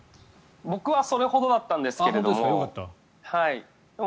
僕はそれほどだったんですけども。